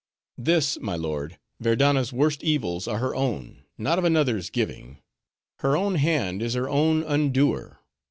"This, my lord, Verdanna's worst evils are her own, not of another's giving. Her own hand is her own undoer.